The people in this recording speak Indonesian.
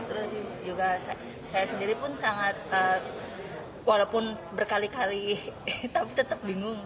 terus juga saya sendiri pun sangat walaupun berkali kali tapi tetap bingung